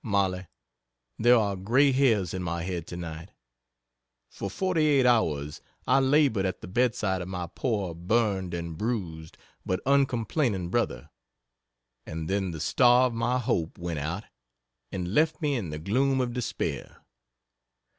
Mollie, there are gray hairs in my head tonight. For forty eight hours I labored at the bedside of my poor burned and bruised, but uncomplaining brother, and then the star of my hope went out and left me in the gloom of despair.